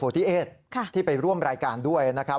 ที่ไปร่วมรายการด้วยนะครับ